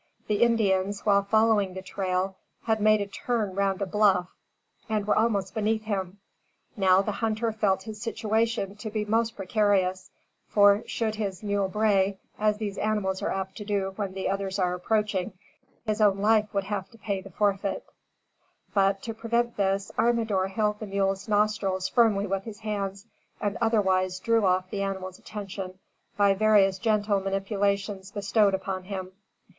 The Indians, while following the trail, had made a turn round a bluff and were almost beneath him. Now the hunter felt his situation to be most precarious, for, should his mule bray, as these animals are apt to do when others are approaching, his own life would have to pay the forfeit; but, to prevent this, Armador held the mule's nostrils firmly with his hands and otherwise drew off the animal's attention by various gentle manipulations bestowed upon him.